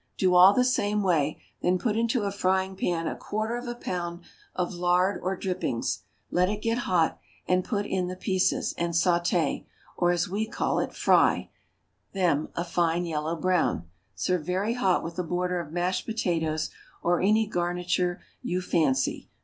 Do all the same way, then put into a frying pan a quarter of a pound of lard or dripping, let it get hot, and put in the pieces, and sauté (or as we call it "fry") them a fine yellow brown. Serve very hot with a border of mashed potatoes, or any garniture you fancy.